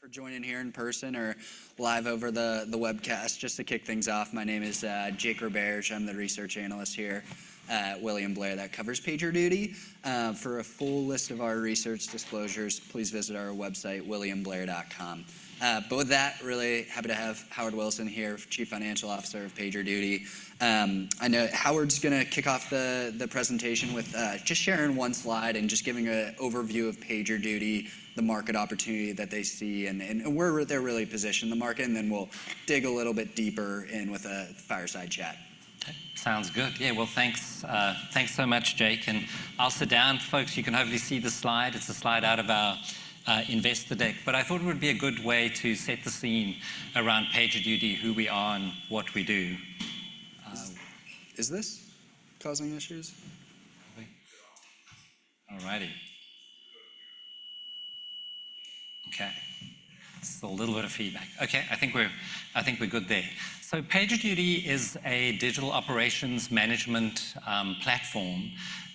Everyone for joining here in person or live over the webcast. Just to kick things off, my name is Jake Roberge. I'm the research analyst here at William Blair that covers PagerDuty. For a full list of our research disclosures, please visit our website, williamblair.com. But with that, really happy to have Howard Wilson here, Chief Financial Officer of PagerDuty. I know Howard's gonna kick off the presentation with just sharing one slide and just giving an overview of PagerDuty, the market opportunity that they see, and where they're really positioned in the market, and then we'll dig a little bit deeper in with a fireside chat. Sounds good. Yeah, well, thanks, thanks so much, Jake, and I'll sit down. Folks, you can hopefully see the slide. It's a slide out of our investor deck. But I thought it would be a good way to set the scene around PagerDuty, who we are and what we do. Is this causing issues? I think... All righty. Okay. It's a little bit of feedback. Okay, I think we're good there. So PagerDuty is a digital operations management platform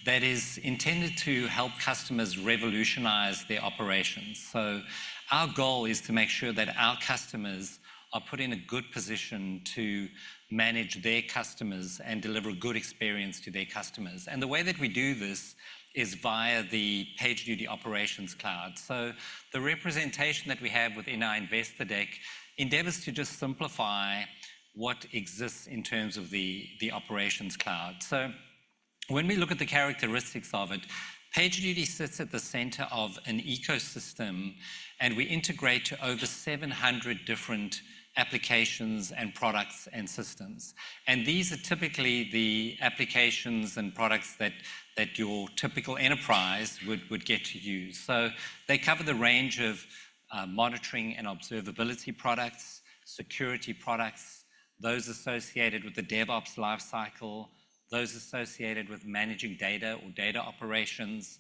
that is intended to help customers revolutionize their operations. So our goal is to make sure that our customers are put in a good position to manage their customers and deliver a good experience to their customers. And the way that we do this is via the PagerDuty Operations Cloud. So the representation that we have within our investor deck endeavors to just simplify what exists in terms of the Operations Cloud. So when we look at the characteristics of it, PagerDuty sits at the center of an ecosystem, and we integrate to over 700 different applications and products and systems. And these are typically the applications and products that your typical enterprise would get to use. So they cover the range of monitoring and observability products, security products, those associated with the DevOps lifecycle, those associated with managing data or data operations,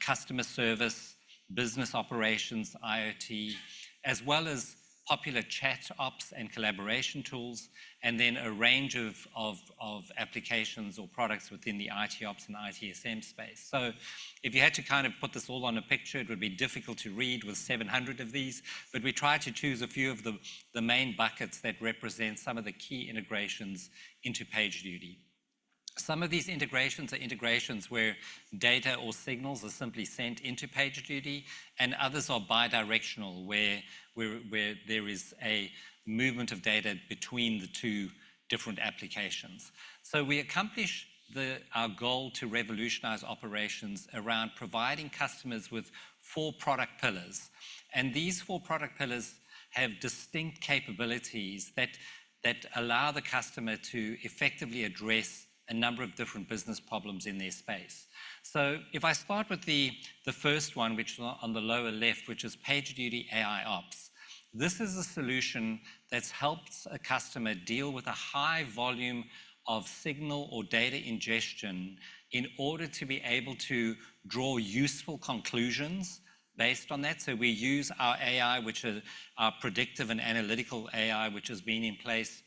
customer service, business operations, IoT, as well as popular ChatOps and collaboration tools, and then a range of applications or products within the ITOps and ITSM space. So if you had to kind of put this all on a picture, it would be difficult to read with 700 of these, but we try to choose a few of the main buckets that represent some of the key integrations into PagerDuty. Some of these integrations are integrations where data or signals are simply sent into PagerDuty, and others are bidirectional, where there is a movement of data between the two different applications. So we accomplish our goal to revolutionize operations around providing customers with four product pillars, and these four product pillars have distinct capabilities that allow the customer to effectively address a number of different business problems in their space. So if I start with the first one, which on the lower left, which is PagerDuty AIOps, this is a solution that's helped a customer deal with a high volume of signal or data ingestion in order to be able to draw useful conclusions based on that. So we use our AI, which is our predictive and analytical AI, which has been in place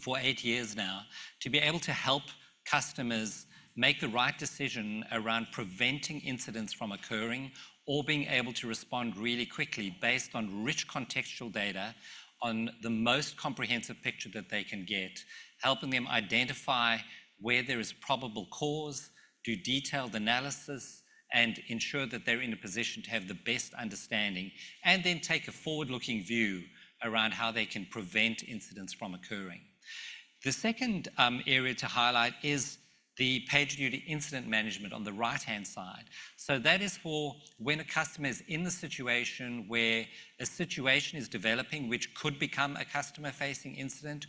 for eight years now, to be able to help customers make the right decision around preventing incidents from occurring, or being able to respond really quickly based on rich contextual data on the most comprehensive picture that they can get, helping them identify where there is probable cause, do detailed analysis, and ensure that they're in a position to have the best understanding, and then take a forward-looking view around how they can prevent incidents from occurring. The second area to highlight is the PagerDuty Incident Management on the right-hand side. So that is for when a customer is in the situation where a situation is developing, which could become a customer-facing incident,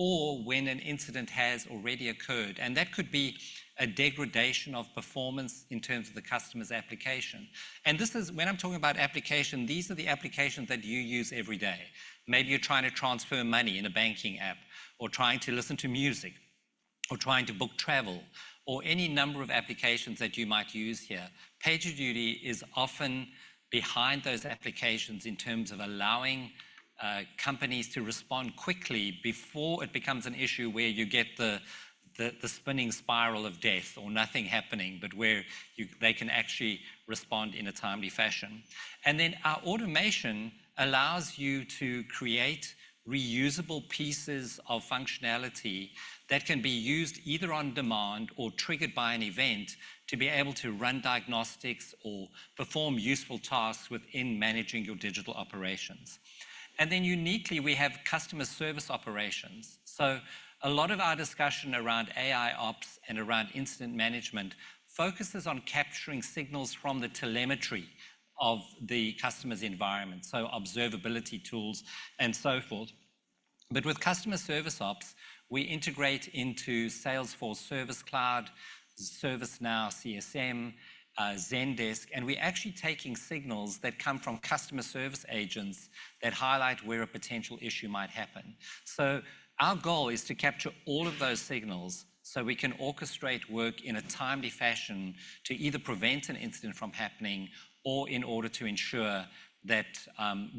or when an incident has already occurred, and that could be a degradation of performance in terms of the customer's application. And this is. When I'm talking about application, these are the applications that you use every day. Maybe you're trying to transfer money in a banking app or trying to listen to music or trying to book travel, or any number of applications that you might use here. PagerDuty is often behind those applications in terms of allowing companies to respond quickly before it becomes an issue where you get the spinning spiral of death or nothing happening, but where they can actually respond in a timely fashion. And then our automation allows you to create reusable pieces of functionality that can be used either on demand or triggered by an event to be able to run diagnostics or perform useful tasks within managing your digital operations. And then uniquely, we have Customer Service Operations. So a lot of our discussion around AIOps and around incident management focuses on capturing signals from the telemetry of the customer's environment, so observability tools and so forth. But with Customer Service Ops, we integrate into Salesforce Service Cloud, ServiceNow CSM, Zendesk, and we're actually taking signals that come from customer service agents that highlight where a potential issue might happen. So our goal is to capture all of those signals, so we can orchestrate work in a timely fashion to either prevent an incident from happening or in order to ensure that,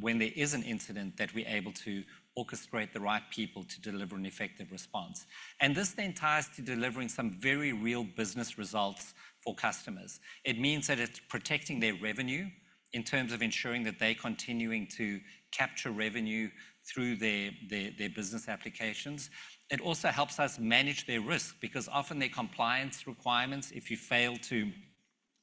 when there is an incident, that we're able to orchestrate the right people to deliver an effective response. And this then ties to delivering some very real business results for customers. It means that it's protecting their revenue... in terms of ensuring that they're continuing to capture revenue through their, their, their business applications. It also helps us manage their risk, because often their compliance requirements, if you fail to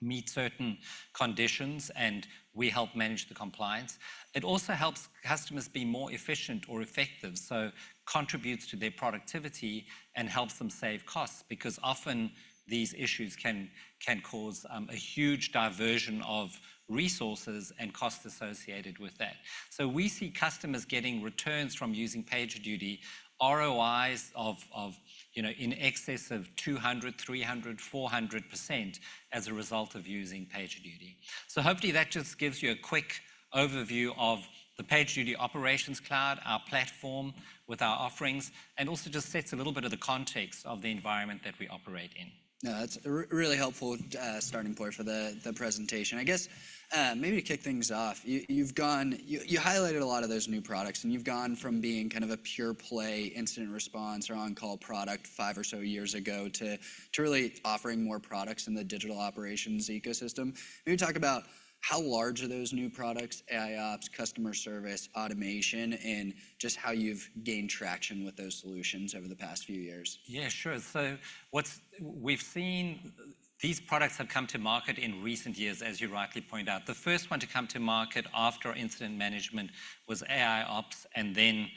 meet certain conditions, and we help manage the compliance. It also helps customers be more efficient or effective, so contributes to their productivity and helps them save costs, because often these issues can, can cause, a huge diversion of resources and costs associated with that. So we see customers getting returns from using PagerDuty, ROIs of, you know, in excess of 200, 300, 400% as a result of using PagerDuty. So hopefully that just gives you a quick overview of the PagerDuty Operations Cloud, our platform with our offerings, and also just sets a little bit of the context of the environment that we operate in. Yeah, that's really helpful starting point for the presentation. I guess, maybe to kick things off, you've gone... You highlighted a lot of those new products, and you've gone from being kind of a pure play incident response or on-call product five or so years ago to really offering more products in the digital operations ecosystem. Maybe talk about how large are those new products, AIOps, customer service, automation, and just how you've gained traction with those solutions over the past few years. Yeah, sure. So, we've seen these products have come to market in recent years, as you rightly pointed out. The first one to come to market after incident management was AIOps, and then,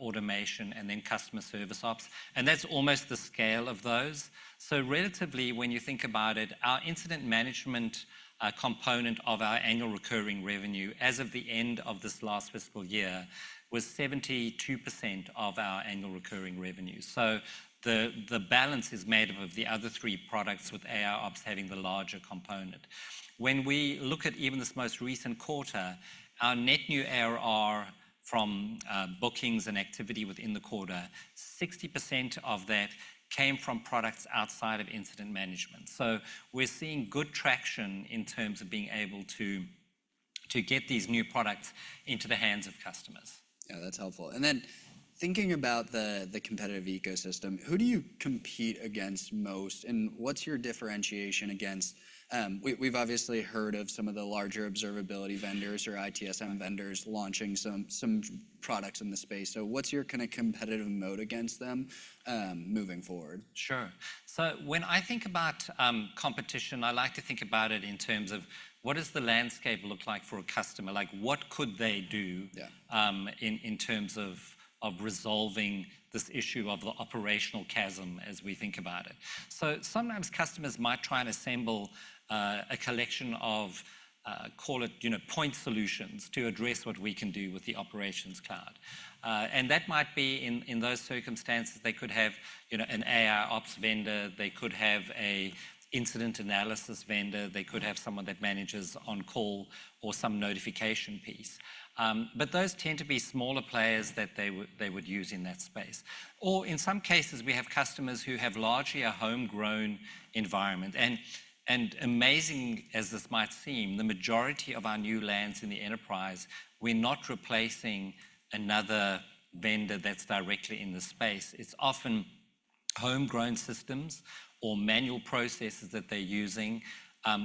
automation, and then customer service ops, and that's almost the scale of those. So relatively, when you think about it, our incident management component of our annual recurring revenue as of the end of this last fiscal year was 72% of our annual recurring revenue. So the, the balance is made up of the other three products, with AIOps having the larger component. When we look at even this most recent quarter, our net new ARR from, bookings and activity within the quarter, 60% of that came from products outside of incident management. We're seeing good traction in terms of being able to get these new products into the hands of customers. Yeah, that's helpful. And then thinking about the competitive ecosystem, who do you compete against most, and what's your differentiation against... We've obviously heard of some of the larger observability vendors or ITSM vendors launching some products in the space. So what's your kind of competitive mode against them, moving forward? Sure. So when I think about competition, I like to think about it in terms of: What does the landscape look like for a customer? Like, what could they do- Yeah In terms of resolving this issue of the operational chasm as we think about it? So sometimes customers might try and assemble a collection of, call it, you know, point solutions to address what we can do with the Operations Cloud. And that might be in those circumstances, they could have, you know, an AIOps vendor, they could have an incident analysis vendor, they could have someone that manages on call or some notification piece. But those tend to be smaller players that they would use in that space. Or in some cases, we have customers who have largely a homegrown environment. And amazing as this might seem, the majority of our new lands in the enterprise, we're not replacing another vendor that's directly in the space. It's often homegrown systems or manual processes that they're using,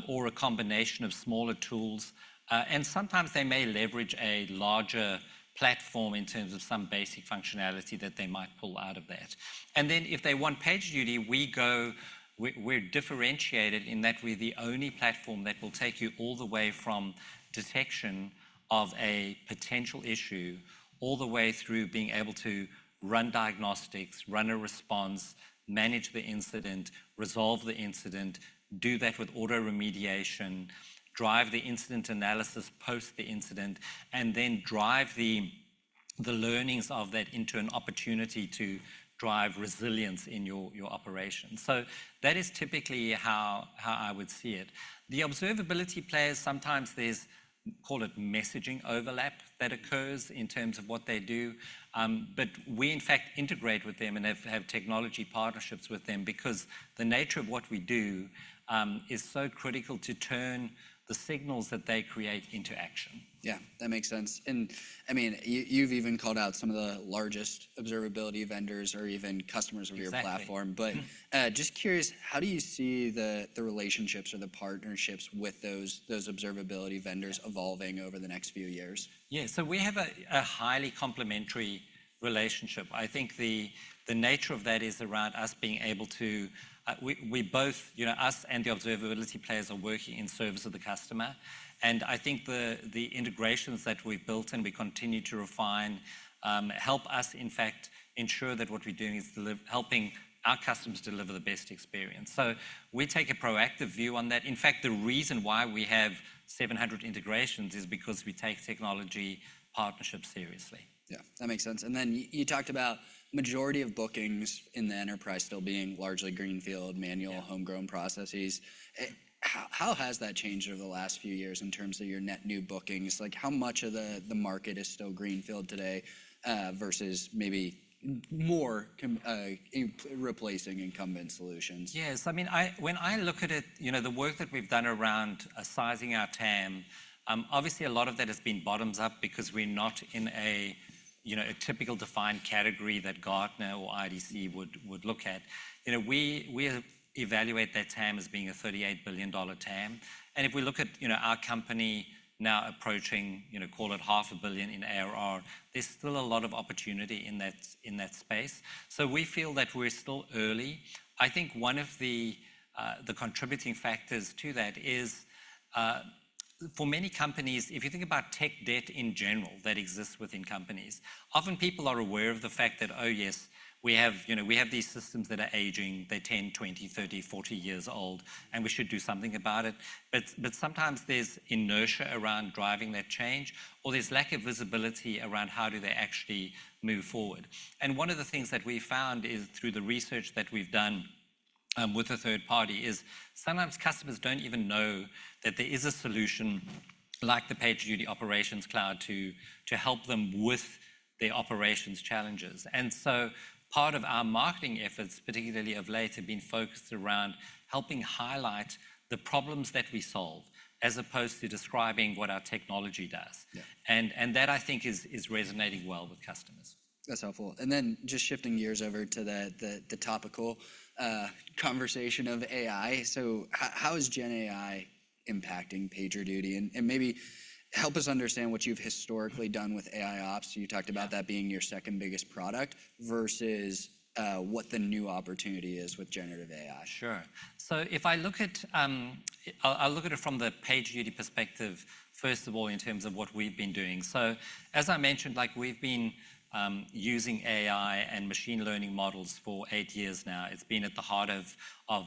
or a combination of smaller tools, and sometimes they may leverage a larger platform in terms of some basic functionality that they might pull out of that. And then, if they want PagerDuty, we're differentiated in that we're the only platform that will take you all the way from detection of a potential issue, all the way through being able to run diagnostics, run a response, manage the incident, resolve the incident, do that with auto remediation, drive the incident analysis, post the incident, and then drive the learnings of that into an opportunity to drive resilience in your operations. So that is typically how I would see it. The observability players, sometimes there's, call it, messaging overlap that occurs in terms of what they do, but we, in fact, integrate with them and have technology partnerships with them because the nature of what we do is so critical to turn the signals that they create into action. Yeah, that makes sense. And I mean, you, you've even called out some of the largest observability vendors or even customers of your platform. Exactly. But, just curious, how do you see the relationships or the partnerships with those observability vendors evolving over the next few years? Yeah. So we have a highly complementary relationship. I think the nature of that is around us being able to... We both, you know, us and the observability players are working in service of the customer, and I think the integrations that we've built and we continue to refine help us, in fact, ensure that what we're doing is helping our customers deliver the best experience. So we take a proactive view on that. In fact, the reason why we have 700 integrations is because we take technology partnerships seriously. Yeah, that makes sense. And then you talked about majority of bookings in the enterprise still being largely greenfield, manual- Yeah Homegrown processes. How has that changed over the last few years in terms of your net new bookings? Like, how much of the market is still greenfield today, versus maybe more in replacing incumbent solutions? Yes. I mean, when I look at it, you know, the work that we've done around sizing our TAM, obviously a lot of that has been bottoms-up because we're not in a, you know, a typical defined category that Gartner or IDC would look at. You know, we evaluate that TAM as being a $38 billion TAM. And if we look at, you know, our company now approaching, you know, call it half a billion in ARR, there's still a lot of opportunity in that, in that space. So we feel that we're still early. I think one of the contributing factors to that is... For many companies, if you think about tech debt in general that exists within companies, often people are aware of the fact that, oh, yes, we have, you know, we have these systems that are aging. They're 10, 20, 30, 40 years old, and we should do something about it. But, but sometimes there's inertia around driving that change, or there's lack of visibility around how do they actually move forward. And one of the things that we've found is, through the research that we've done, with a third party, is sometimes customers don't even know that there is a solution like the PagerDuty Operations Cloud to, to help them with their operations challenges. And so part of our marketing efforts, particularly of late, have been focused around helping highlight the problems that we solve, as opposed to describing what our technology does. Yeah. And that, I think, is resonating well with customers. That's helpful. And then just shifting gears over to the topical conversation of AI: So how is GenAI impacting PagerDuty? And maybe help us understand what you've historically done with AIOps. You talked about- Yeah That being your second-biggest product versus, what the new opportunity is with generative AI. Sure. So if I look at, I'll look at it from the PagerDuty perspective, first of all, in terms of what we've been doing. So, as I mentioned, like, we've been using AI and machine learning models for eight years now. It's been at the heart of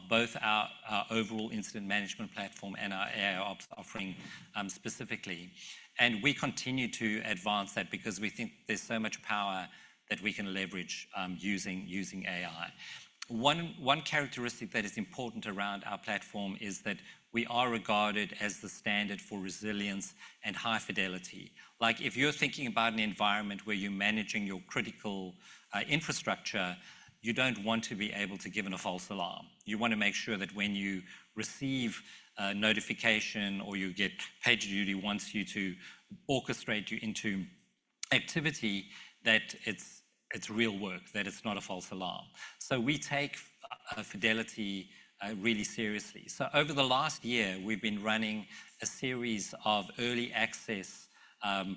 both our overall incident management platform and our AIOps offering, specifically. And we continue to advance that because we think there's so much power that we can leverage using AI. One characteristic that is important around our platform is that we are regarded as the standard for resilience and high fidelity. Like, if you're thinking about an environment where you're managing your critical infrastructure, you don't want to be able to give in a false alarm. You want to make sure that when you receive a notification or you get, PagerDuty wants you to orchestrate you into activity, that it's real work, that it's not a false alarm. So we take fidelity really seriously. So over the last year, we've been running a series of early access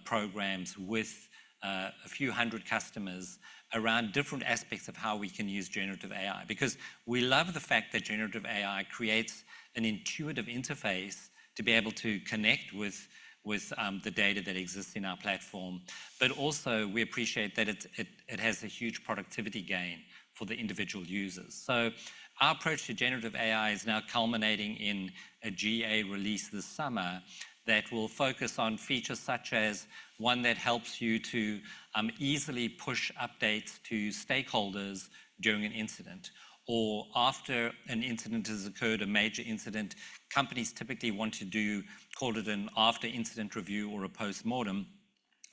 programs with a few hundred customers around different aspects of how we can use generative AI. Because we love the fact that generative AI creates an intuitive interface to be able to connect with the data that exists in our platform, but also, we appreciate that it has a huge productivity gain for the individual users. So our approach to generative AI is now culminating in a GA release this summer that will focus on features such as one that helps you to easily push updates to stakeholders during an incident. Or after an incident has occurred, a major incident, companies typically want to do, call it an after-incident review or a postmortem.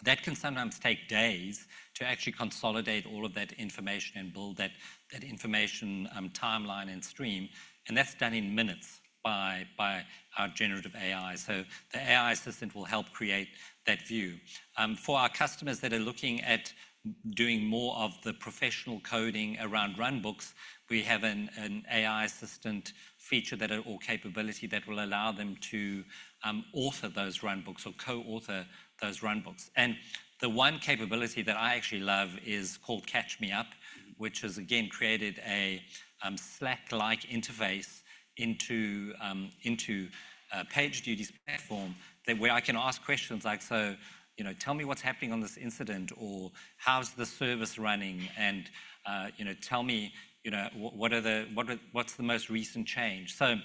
That can sometimes take days to actually consolidate all of that information and build that information timeline and stream, and that's done in minutes by our generative AI. So the AI assistant will help create that view. For our customers that are looking at doing more of the professional coding around runbooks, we have an AI assistant feature that or capability that will allow them to author those runbooks or co-author those runbooks. And the one capability that I actually love is called Catch Me Up, which has again created a Slack-like interface into, into, PagerDuty's platform that... where I can ask questions like, "So, you know, tell me what's happening on this incident," or, "How's the service running?" And, you know, "Tell me, you know, what are the, what's the most recent change?" So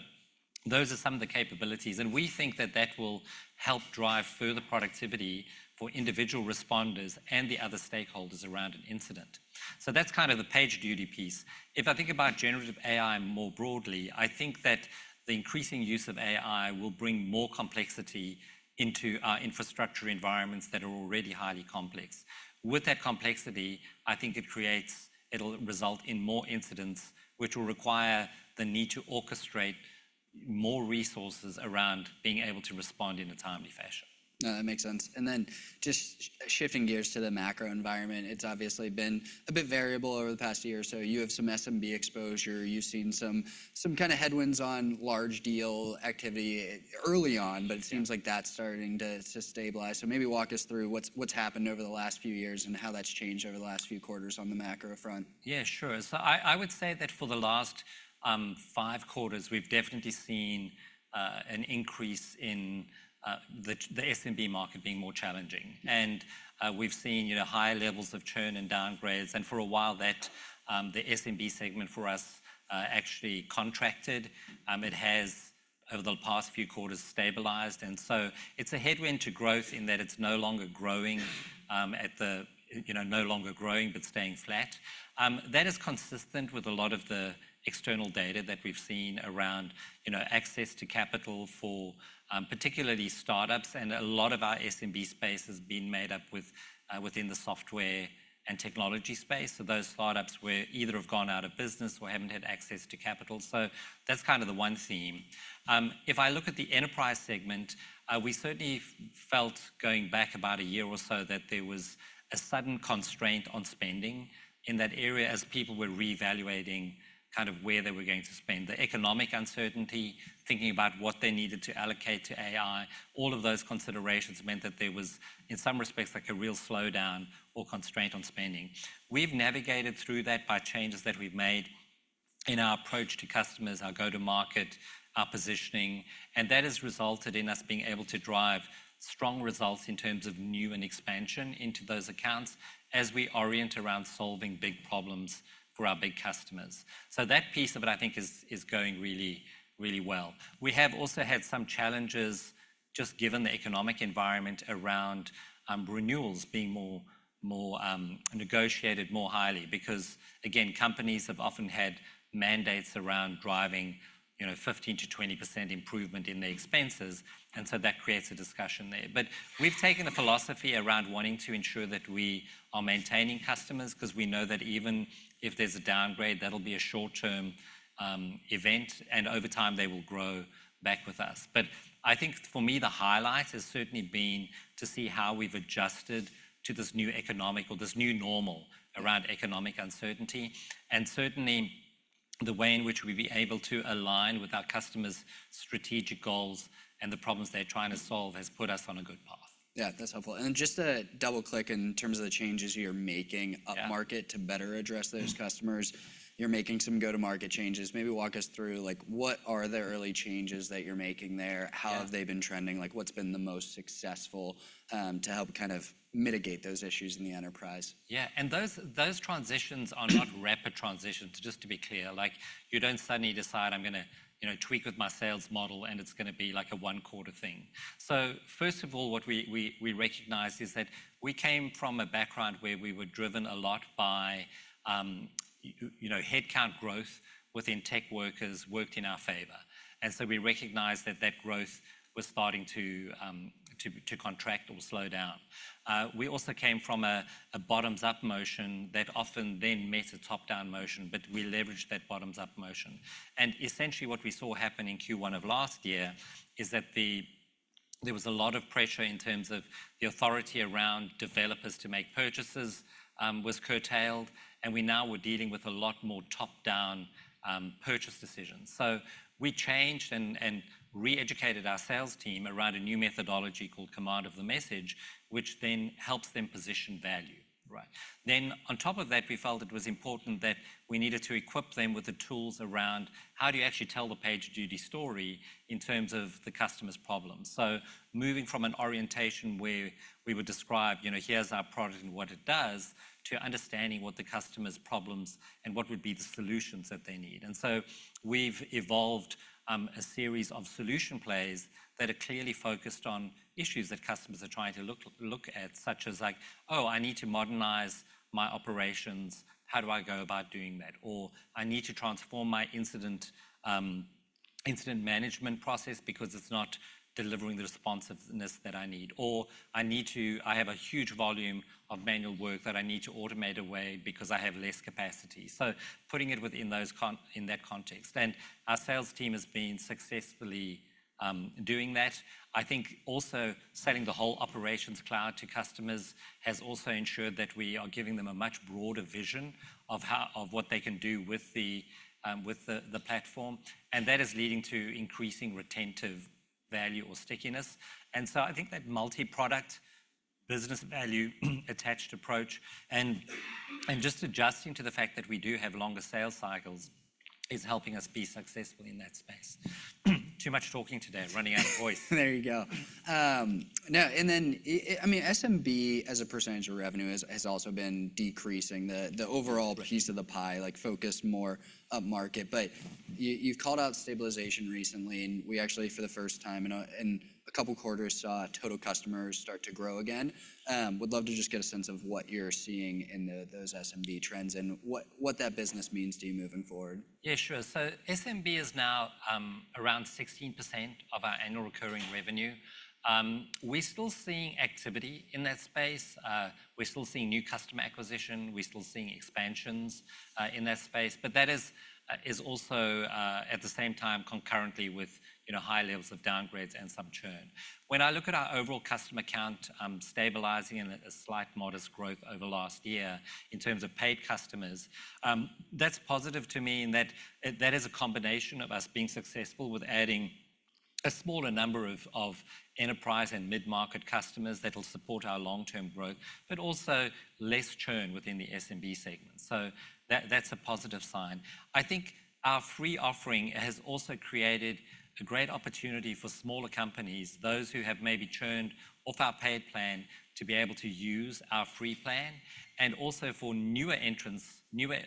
those are some of the capabilities, and we think that that will help drive further productivity for individual responders and the other stakeholders around an incident. So that's kind of the PagerDuty piece. If I think about generative AI more broadly, I think that the increasing use of AI will bring more complexity into our infrastructure environments that are already highly complex. With that complexity, I think it'll result in more incidents, which will require the need to orchestrate more resources around being able to respond in a timely fashion. No, that makes sense. And then just shifting gears to the macro environment, it's obviously been a bit variable over the past year or so. You have some SMB exposure. You've seen some kind of headwinds on large deal activity early on. Yeah But it seems like that's starting to stabilize. So maybe walk us through what's happened over the last few years and how that's changed over the last few quarters on the macro front. Yeah, sure. So I would say that for the last five quarters, we've definitely seen an increase in the SMB market being more challenging. Mm. We've seen, you know, higher levels of churn and downgrades, and for a while that, the SMB segment for us, actually contracted. It has, over the past few quarters, stabilized, and so it's a headwind to growth in that it's no longer growing, you know, no longer growing but staying flat. That is consistent with a lot of the external data that we've seen around, you know, access to capital for, particularly startups, and a lot of our SMB space has been made up with, within the software and technology space. So those startups were either have gone out of business or haven't had access to capital. So that's kind of the one theme. If I look at the enterprise segment, we certainly felt, going back about a year or so, that there was a sudden constraint on spending in that area as people were reevaluating kind of where they were going to spend. The economic uncertainty, thinking about what they needed to allocate to AI, all of those considerations meant that there was, in some respects, like a real slowdown or constraint on spending. We've navigated through that by changes that we've made in our approach to customers, our go-to-market, our positioning, and that has resulted in us being able to drive strong results in terms of new and expansion into those accounts as we orient around solving big problems for our big customers. So that piece of it, I think, is going really, really well. We have also had some challenges just given the economic environment around renewals being more, more, negotiated more highly. Because, again, companies have often had mandates around driving, you know, 15%-20% improvement in their expenses, and so that creates a discussion there. But we've taken a philosophy around wanting to ensure that we are maintaining customers 'cause we know that even if there's a downgrade, that'll be a short-term event, and over time they will grow back with us. But I think for me, the highlight has certainly been to see how we've adjusted to this new economic or this new normal around economic uncertainty, and certainly the way in which we've been able to align with our customers' strategic goals and the problems they're trying to solve has put us on a good path. Yeah, that's helpful. Just to double-click in terms of the changes you're making- Yeah Upmarket to better address those customers, you're making some go-to-market changes. Maybe walk us through, like, what are the early changes that you're making there? Yeah. How have they been trending? Like, what's been the most successful to help kind of mitigate those issues in the enterprise? Yeah, and those transitions are not rapid transitions, just to be clear. Like, you don't suddenly decide, "I'm gonna, you know, tweak with my sales model, and it's gonna be like a one-quarter thing." So first of all, what we recognized is that we came from a background where we were driven a lot by headcount growth within tech workers worked in our favor, and so we recognized that that growth was starting to contract or slow down. We also came from a bottoms-up motion that often then met a top-down motion, but we leveraged that bottoms-up motion. Essentially, what we saw happen in Q1 of last year is that there was a lot of pressure in terms of the authority around developers to make purchases was curtailed, and we now were dealing with a lot more top-down purchase decisions. So we changed and re-educated our sales team around a new methodology called Command of the Message, which then helps them position value, right? Then on top of that, we felt it was important that we needed to equip them with the tools around: how do you actually tell the PagerDuty story in terms of the customer's problems? So moving from an orientation where we would describe, you know, "Here's our product and what it does," to understanding what the customer's problems and what would be the solutions that they need. We've evolved a series of solution plays that are clearly focused on issues that customers are trying to look at, such as like, "Oh, I need to modernize my operations. How do I go about doing that?" Or, "I need to transform my incident management process because it's not delivering the responsiveness that I need," or, "I need to I have a huge volume of manual work that I need to automate away because I have less capacity." Putting it within those in that context, and our sales team has been successfully doing that. I think also selling the whole operations cloud to customers has also ensured that we are giving them a much broader vision of what they can do with the platform, and that is leading to increasing retention value or stickiness. I think that multi-product business value-attached approach and just adjusting to the fact that we do have longer sales cycles is helping us be successful in that space. Too much talking today. I'm running out of voice. There you go. Now, and then, I mean, SMB as a percentage of revenue has also been decreasing. The overall- Right... piece of the pie, like focused more upmarket. But you, you've called out stabilization recently, and we actually, for the first time in a couple quarters, saw total customers start to grow again. Would love to just get a sense of what you're seeing in those SMB trends and what that business means to you moving forward. Yeah, sure. So SMB is now around 16% of our annual recurring revenue. We're still seeing activity in that space. We're still seeing new customer acquisition. We're still seeing expansions in that space, but that is also at the same time, concurrently with, you know, high levels of downgrades and some churn. When I look at our overall customer count, stabilizing and a slight modest growth over last year in terms of paid customers, that's positive to me in that that is a combination of us being successful with adding a smaller number of enterprise and mid-market customers that'll support our long-term growth, but also less churn within the SMB segment. So that's a positive sign. I think our free offering has also created a great opportunity for smaller companies, those who have maybe churned off our paid plan, to be able to use our free plan, and also for newer entrants, newer,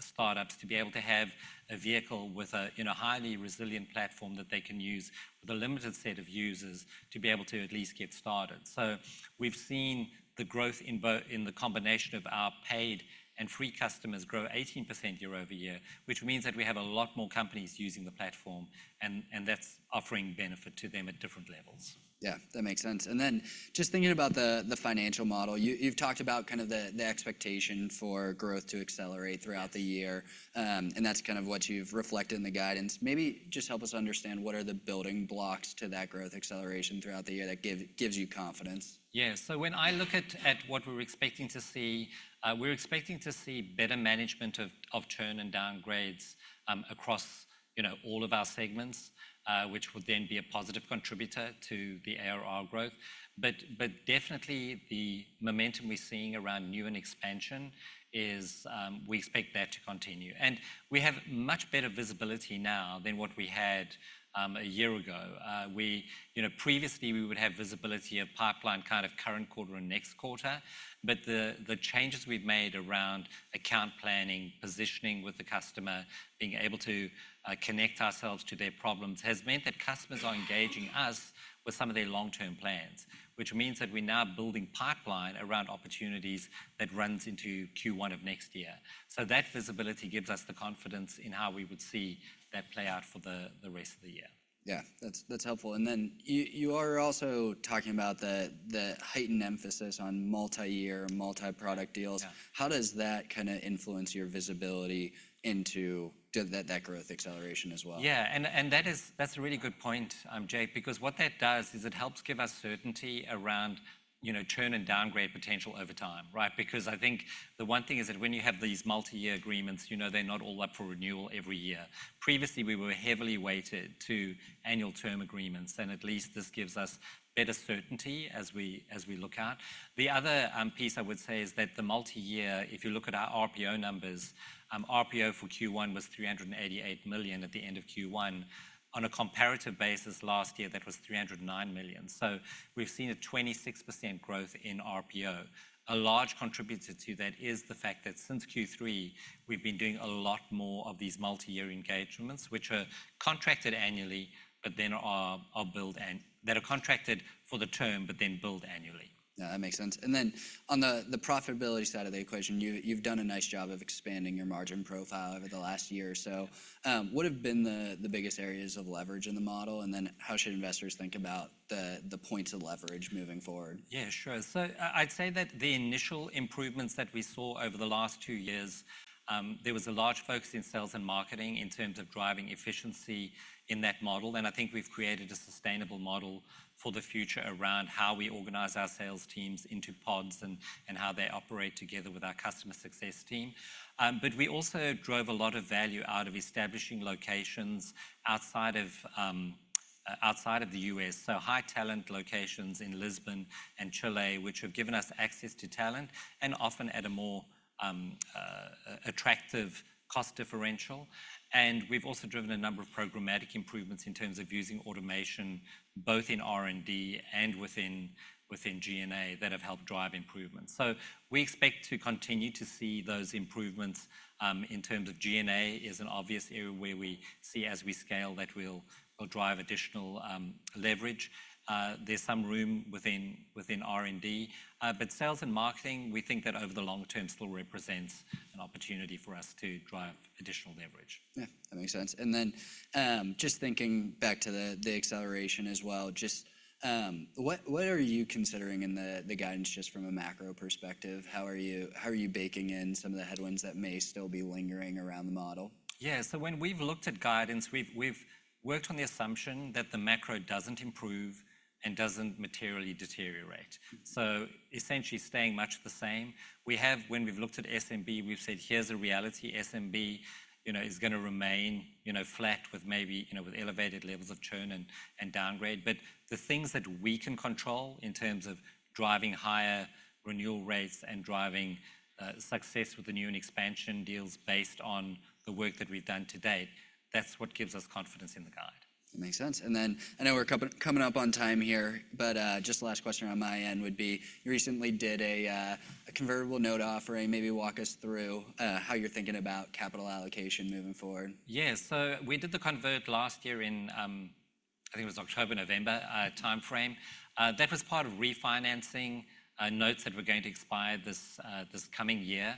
start-ups, to be able to have a vehicle with a, you know, highly resilient platform that they can use with a limited set of users to be able to at least get started. So we've seen the growth in the combination of our paid and free customers grow 18% year-over-year, which means that we have a lot more companies using the platform, and, and that's offering benefit to them at different levels. Yeah, that makes sense. And then just thinking about the financial model, you've talked about kind of the expectation for growth to accelerate throughout the year, and that's kind of what you've reflected in the guidance. Maybe just help us understand what are the building blocks to that growth acceleration throughout the year that gives you confidence? Yeah. So when I look at what we're expecting to see, we're expecting to see better management of churn and downgrades, across you know, all of our segments, which will then be a positive contributor to the ARR growth. But definitely the momentum we're seeing around new and expansion is, we expect that to continue. And we have much better visibility now than what we had, a year ago. We, you know, previously, we would have visibility of pipeline kind of current quarter and next quarter, but the changes we've made around account planning, positioning with the customer, being able to connect ourselves to their problems, has meant that customers are engaging us with some of their long-term plans, which means that we're now building pipeline around opportunities that runs into Q1 of next year. So that visibility gives us the confidence in how we would see that play out for the rest of the year. Yeah, that's helpful. And then you are also talking about the heightened emphasis on multi-year, multi-product deals. Yeah. How does that kinda influence your visibility into that, that growth acceleration as well? Yeah, and that is... That's a really good point, Jake, because what that does is it helps give us certainty around, you know, churn and downgrade potential over time, right? Because I think the one thing is that when you have these multi-year agreements, you know they're not all up for renewal every year. Previously, we were heavily weighted to annual term agreements, and at least this gives us better certainty as we look out. The other piece I would say is that the multi-year, if you look at our RPO numbers, RPO for Q1 was $388 million at the end of Q1. On a comparative basis last year, that was $309 million. So we've seen a 26% growth in RPO. A large contributor to that is the fact that since Q3, we've been doing a lot more of these multi-year engagements, which are contracted annually, but then that are contracted for the term but then billed annually. Yeah, that makes sense. And then on the profitability side of the equation, you, you've done a nice job of expanding your margin profile over the last year or so. What have been the biggest areas of leverage in the model? And then how should investors think about the points of leverage moving forward? Yeah, sure. So, I'd say that the initial improvements that we saw over the last two years, there was a large focus in sales and marketing in terms of driving efficiency in that model, and I think we've created a sustainable model for the future around how we organize our sales teams into pods and how they operate together with our customer success team. But we also drove a lot of value out of establishing locations outside of the US, so high-talent locations in Lisbon and Chile, which have given us access to talent and often at a more attractive cost differential. And we've also driven a number of programmatic improvements in terms of using automation, both in R&D and within G&A, that have helped drive improvements. So we expect to continue to see those improvements. In terms of G&A is an obvious area where we see as we scale that will drive additional leverage. There's some room within R&D. But sales and marketing, we think that over the long term still represents an opportunity for us to drive additional leverage. Yeah, that makes sense. And then, just thinking back to the acceleration as well, just, what are you considering in the guidance just from a macro perspective? How are you baking in some of the headwinds that may still be lingering around the model? Yeah, so when we've looked at guidance, we've worked on the assumption that the macro doesn't improve and doesn't materially deteriorate, so essentially staying much the same. When we've looked at SMB, we've said, "Here's the reality: SMB, you know, is gonna remain, you know, with maybe, you know, with elevated levels of churn and downgrade." But the things that we can control in terms of driving higher renewal rates and driving success with the new and expansion deals based on the work that we've done to date, that's what gives us confidence in the guide. That makes sense. And then I know we're coming up on time here, but just the last question on my end would be, you recently did a convertible note offering. Maybe walk us through how you're thinking about capital allocation moving forward. Yeah, so we did the convert last year in, I think it was October, November timeframe. That was part of refinancing notes that were going to expire this, this coming year.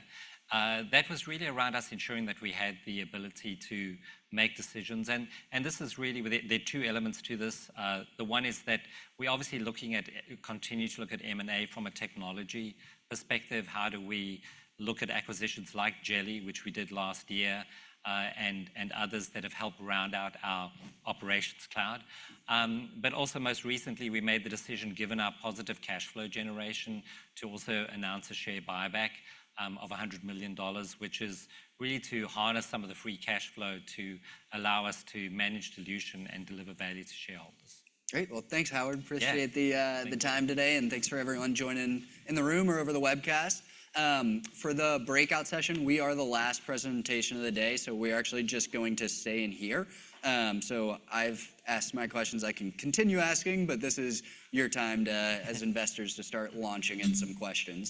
That was really around us ensuring that we had the ability to make decisions. And, and this is really with- There are two elements to this. The one is that we're obviously looking at, continue to look at M&A from a technology perspective. How do we look at acquisitions like Jeli, which we did last year, and, and others that have helped round out our operations cloud? But also, most recently, we made the decision, given our positive cash flow generation, to also announce a share buyback of $100 million, which is really to harness some of the free cash flow to allow us to manage dilution and deliver value to shareholders. Great. Well, thanks, Howard. Yeah. Appreciate the time today, and thanks for everyone joining in the room or over the webcast. For the breakout session, we are the last presentation of the day, so we're actually just going to stay in here. So I've asked my questions. I can continue asking, but this is your time to, as investors, to start launching in some questions.